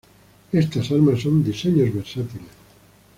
Estas armas son diseños versátiles.